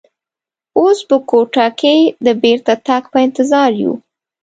اوس په کوټه کې د بېرته تګ په انتظار یو.